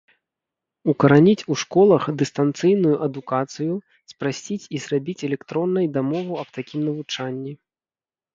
Укараніць у школах дыстанцыйную адукацыю, спрасціць і зрабіць электроннай дамову аб такім навучанні.